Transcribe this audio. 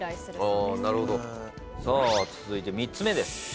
さあ続いて３つ目です。